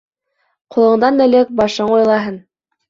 Ҡулыңдан элек башың уйлаһын.